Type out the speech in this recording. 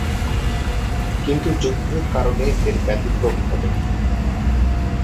কিন্তু যুদ্ধের কারণে এর ব্যতিক্রম ঘটে।